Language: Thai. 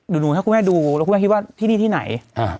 หนูให้คุณแม่ดูแล้วคุณแม่คิดว่าที่นี่ที่ไหน